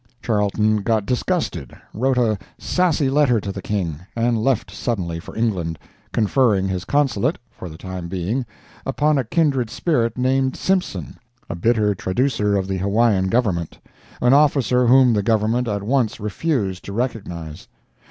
Charlton got disgusted, wrote a "sassy" letter to the King, and left suddenly for England, conferring his Consulate, for the time being, upon a kindred spirit named Simpson, a bitter traducer of the Hawaiian Government—an officer whom the Government at once refused to recognize.